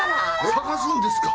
捜すんですか？